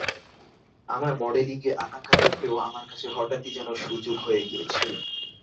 আমার মডেলিংয়ে আকাঙ্ক্ষা থাকলেও আমার কাছে হঠাত্ই যেন সুযোগ হয়ে গিয়েছিল।